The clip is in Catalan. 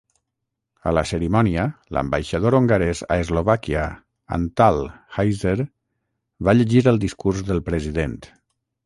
A la cerimònia, l'ambaixador hongarès a Eslovàquia Antal Heizer va llegir el discurs del president.